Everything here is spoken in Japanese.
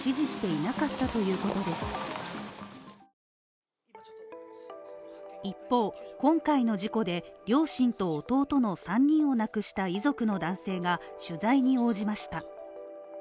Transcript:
今ちょっと一方、今回の事故で両親と弟の３人を亡くした遺族の男性が取材に応じました。